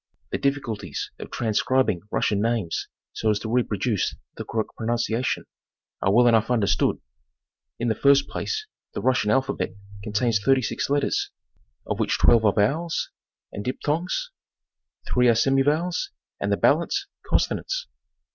The difficulties of transcribing Russian names so as to reproduce the correct pro nunciation are well enough understood. In the first place the Russian alphabet contains 36 letters, of which 12 are vowels and diphthongs, 3 are semi vowels, and the balance, consonants.